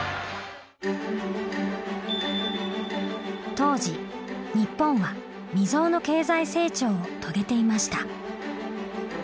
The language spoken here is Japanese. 当時日本は未曽有の経済成長を遂げていました。